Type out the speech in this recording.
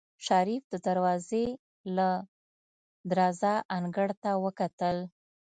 شريف د دروازې له درزه انګړ ته وکتل.